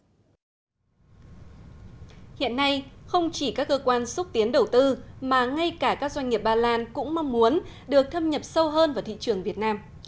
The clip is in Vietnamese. hiện nay không chỉ các cơ quan xúc tiến đầu tư mà ngay cả các doanh nghiệp ba lan cũng mong muốn được thâm nhập sâu hơn vào thị trường việt nam